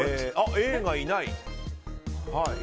Ａがいない。